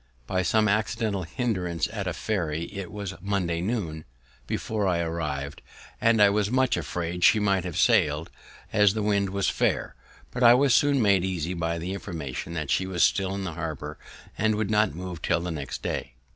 By some accidental hindrance at a ferry, it was Monday noon before I arrived, and I was much afraid she might have sailed, as the wind was fair; but I was soon made easy by the information that she was still in the harbor, and would not move till the next day.